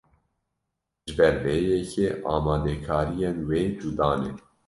Ji ber vê yekê amadekariyên wê cuda ne.